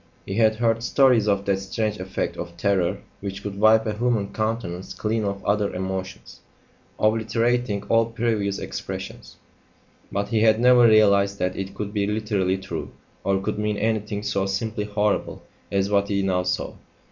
He had heard stories of that strange effect of terror which could wipe a human countenance clean of other emotions, obliterating all previous expressions; but he had never realised that it could be literally true, or could mean anything so simply horrible as what he now saw.